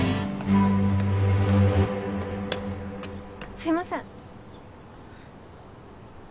すいません。